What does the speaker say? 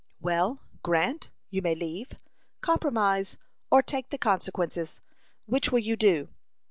"Well, Grant, you may leave, compromise, or take the consequences. Which will you do?"